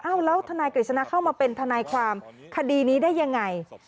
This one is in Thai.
แล้วทนายกฤษณะเข้ามาเป็นทนายความคดีนี้ได้ยังไง